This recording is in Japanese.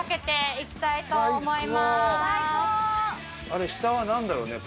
あれ下はなんだろうね？